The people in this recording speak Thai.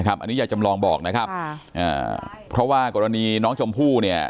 อันนี้ยายจำลองบอกนะครับเพราะว่ากรณีน้องชมพู่เนี่ย